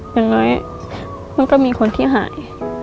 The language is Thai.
อย่างน้อยมันก็มีคนที่หาย